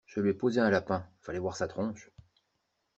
Je lui ai posé un lapin, fallait voir sa tronche.